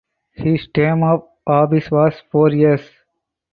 His term of office was four years.